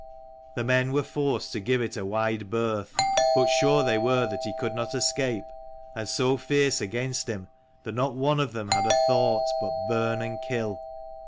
The men were forced to give it a wide berth ; but sure they were that he could not escape, and so fierce against him that not one of them had a thought but burn and kill.